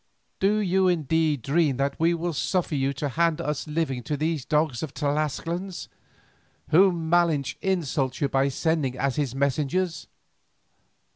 Do you indeed dream that we will suffer you to hand us living to these dogs of Tlascalans, whom Malinche insults you by sending as his messengers?